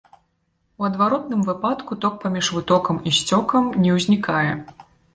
У адваротным выпадку ток паміж вытокам і сцёкам не ўзнікае.